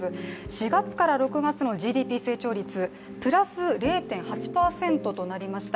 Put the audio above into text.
４月から６月のＧＤＰ成長率プラス０．８％となりました。